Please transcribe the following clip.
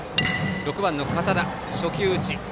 ６番の堅田初球打ち。